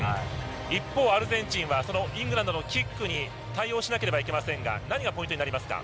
一方、アルゼンチンはそのイングランドのキックに対応しなければいけませんが何がポイントになりますか？